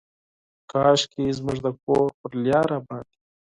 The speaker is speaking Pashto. کاشکي زموږ د کور پر لاره باندې،